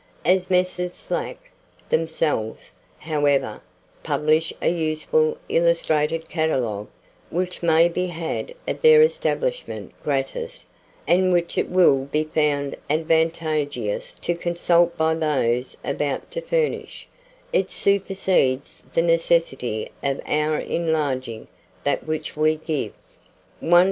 As Messrs. Slack themselves, however, publish a useful illustrated catalogue, which may be had at their establishment gratis, and which it will be found advantageous to consult by those about to furnish, it supersedes the necessity of our enlarging that which we give: s. d.